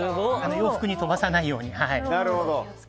洋服に飛ばさないように。